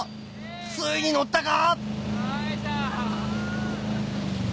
ついに乗ったか？